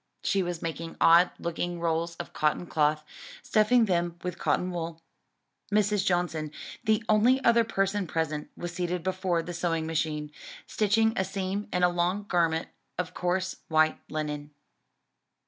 She was making odd looking rolls of cotton cloth; stuffing them with cotton wool. Mrs. Johnson, the only other person present, was seated before the sewing machine, stitching a seam in a long garment of coarse, white linen.